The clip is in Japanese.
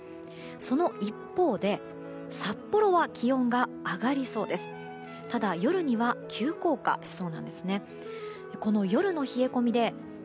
その一方で札幌は気温が上がりそうです。